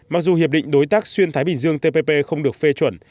mặc dù hiệp định đối tác xuyên thái bình dương tpp không được phê chuẩn